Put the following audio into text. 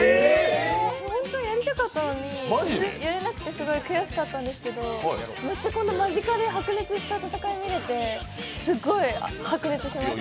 本当にやりたかったのにやれなくてすごい悔しかったんですけどめっちゃこんな間近で白熱した戦いを見れてすっごい白熱しました。